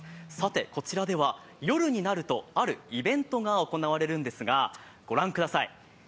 こちらでは夜になるとあるイベントが行われるんですがご覧ください。